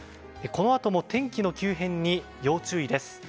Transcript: このあとも天気の急変に要注意です。